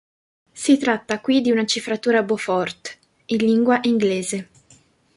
Si tratta qui di una cifratura Beaufort, in lingua inglese.